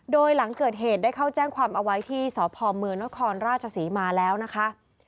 โดยหลังเกิดเหตุได้เข้าแจ้งความเอาไว้ที่สพเมืองนครราชศรีมาแล้วนะคะ